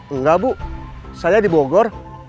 enggak bu saya di bogor